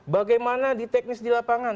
bagaimana teknis di lapangan